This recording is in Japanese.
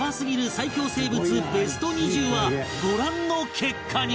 最恐生物ベスト２０はご覧の結果に